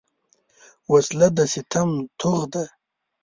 وسله د ستم توغ ده